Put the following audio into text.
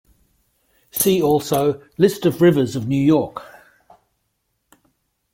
See also List of rivers of New York.